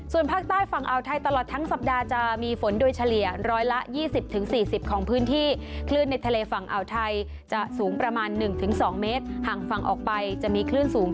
ส่วนภาคใต้ฝั่งอาวไทยตลอดทั้งสัปดาห์จะมีฝนโดยเฉลี่ย๑๒๐๔๐ของพื้นที่